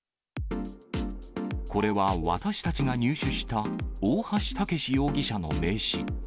これは私たちが入手した、大橋剛容疑者の名刺。